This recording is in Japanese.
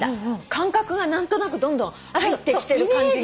感覚が何となくどんどん入ってきてる感じがする。